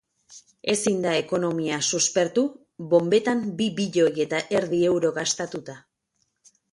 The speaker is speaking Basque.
Ezin da ekonomia suspertu bonbetan bi bilioi eta erdi euro gastatuta.